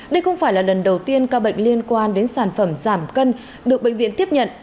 đây không phải là lần đầu tiên ca bệnh liên quan đến sản phẩm giảm cân được bệnh viện tiếp nhận